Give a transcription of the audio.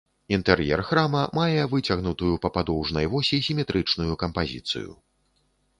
Інтэр'ер храма мае выцягнутую па падоўжнай восі сіметрычную кампазіцыю.